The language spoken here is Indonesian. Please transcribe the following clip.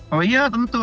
oh iya tentu